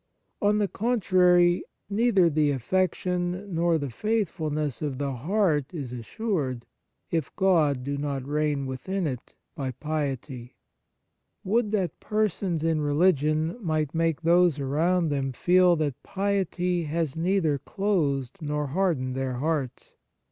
On the contrary, neither the affection nor the faithfulness of the heart is assured, if God do not reign within it by piety. Would that persons in religion might make those around them feel that piety has neither closed nor hardened their hearts